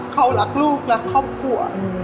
เขารักลูกรักครอบครัว